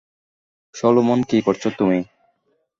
Solomon, কী করছো তুমি?